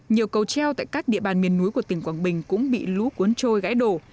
nhiều cầu treo tại các địa bàn miền núi của tỉnh quảng bình cũng bị lũ cuốn trôi gãy đổ